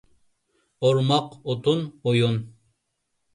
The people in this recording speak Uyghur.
ئورماق، ئوتۇن، ئويۇن.